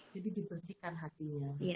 jadi dibersihkan hatinya